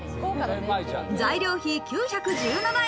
材料費９１７円。